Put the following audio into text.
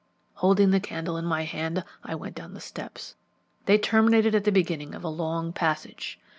Holding the candle in my hand, I went down the steps. They terminated at the beginning of a long passage.